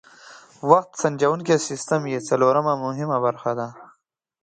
وخت سنجوونکی سیسټم یې څلورمه مهمه برخه ده.